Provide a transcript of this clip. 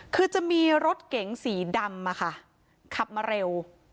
คือจะมีรถเก๋งสีดำขับมาเร็ว